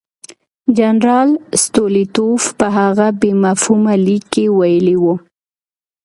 جنرال سټولیټوف په هغه بې مفهومه لیک کې ویلي وو.